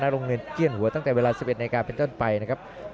โรงเรียนเกี้ยนหัวตั้งแต่เวลา๑๑นาทีเป็นต้นไปนะครับ